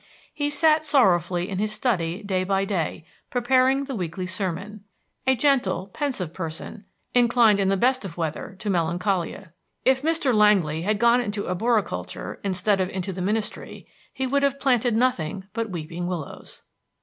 He sat sorrowfully in his study day by day, preparing the weekly sermon, a gentle, pensive person, inclined in the best of weather to melancholia. If Mr. Langly had gone into arboriculture instead of into the ministry, he would have planted nothing but weeping willows.